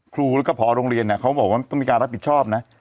ครูแล้วก็พอโรงเรียนเขาบอกว่าต้องมีการรับผิดชอบนะ